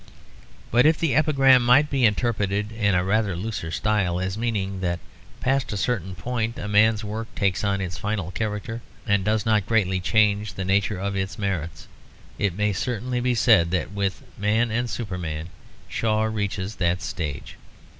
But if the epigram might be interpreted in a rather looser style as meaning that past a certain point a man's work takes on its final character and does not greatly change the nature of its merits, it may certainly be said that with Man and Superman, Shaw reaches that stage.